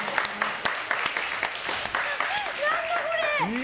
何だこれ？